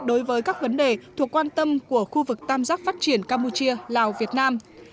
đối với các vấn đề thuộc quan tâm của khu vực tam giác phát triển campuchia lào việt nam